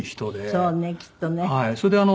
そうねきっとね。